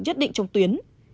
nhất định trong tuyến